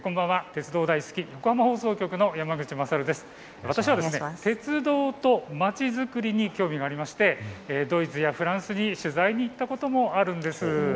鉄道と私はまちづくりに興味がありましてドイツやフランスに取材に行ったこともあるんです。